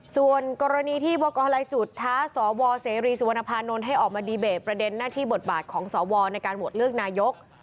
ส่วนกรณีที่บกรลายจุดท้าสวเสรีสุวรรณภานนท์ให้ออกมาดีเบตประเด็นหน้าที่บทบาทของสวในการโหวตเลือกนายก